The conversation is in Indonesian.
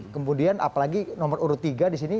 kemudian apalagi nomor urut tiga disini